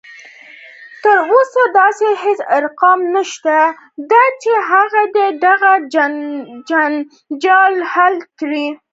تر اوسه داسې هیڅ ارقام نشته دی چې هغه دې دغه جنجال حل کړي